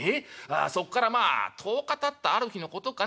あそっからまあ１０日たったある日のことかな。